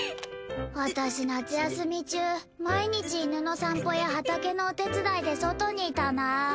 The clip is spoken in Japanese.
私夏休み中毎日犬の散歩や畑のお手伝いで外にいたな。